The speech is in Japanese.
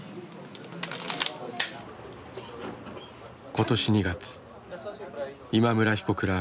今年２月今村被告ら